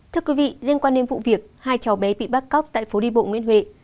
thưa quý vị liên quan đến vụ việc hai cháu bé bị bắt cóc tại phố đi bộ nguyễn huệ